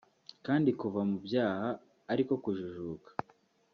kandi kuva mu byaha ariko kujijuka